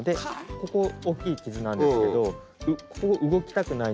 ここおっきい傷なんですけどここ動きたくないので。